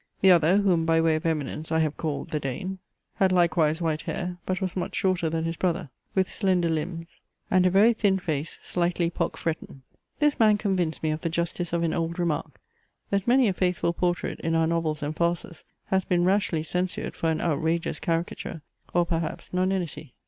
The other, whom, by way of eminence I have called the Dane, had likewise white hair, but was much shorter than his brother, with slender limbs, and a very thin face slightly pockfretten. This man convinced me of the justice of an old remark, that many a faithful portrait in our novels and farces has been rashly censured for an outrageous caricature, or perhaps nonentity.